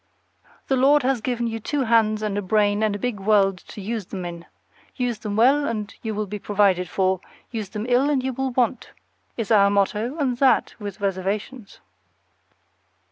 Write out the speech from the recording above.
"The Lord has given you two hands and a brain and a big world to use them in. Use them well, and you will be provided for; use them ill, and you will want," is our motto, and that with reservations.